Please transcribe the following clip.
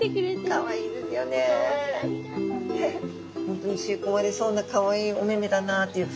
本当に吸いこまれそうなかわいいお目々だなという。